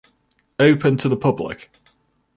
Open to the public.